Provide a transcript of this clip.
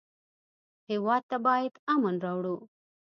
هېواد ته باید امن راوړو